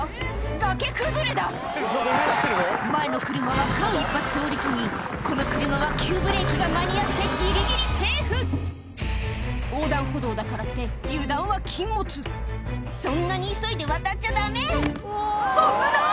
崖崩れだ前の車は間一髪通り過ぎこの車は急ブレーキが間に合ってギリギリセーフ横断歩道だからって油断は禁物そんなに急いで渡っちゃダメ危なっ！